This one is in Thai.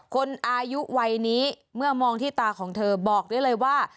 คนอายุวัยนี้เมื่อมองที่ตาของเธอบอกได้เลยว่า